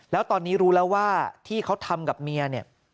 แล้วตอนนี้รู้แล้วว่าที่เขาทำกับเมียเนี่ย